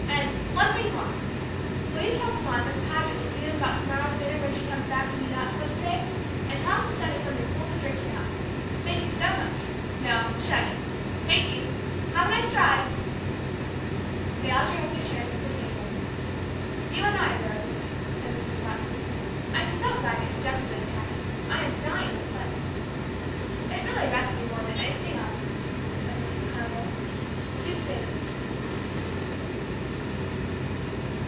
And one thing more! Will you tell Swann Miss Paget will see him about to morrow's dinner when she comes back from the yacht club to day? And tell him to send us something cool to drink now. Thank you so much. No, shut it. Thank you. Have a nice drive!" They all drew up their chairs to the table. "You and I, Rose," said Mrs. Watson. "I'm so glad you suggested this, Hattie. I am dying to play." "It really rests me more than anything else," said Mrs. Carr Boldt. "Two spades."